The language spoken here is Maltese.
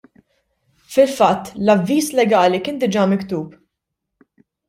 Fil-fatt l-avviż legali kien diġa' miktub.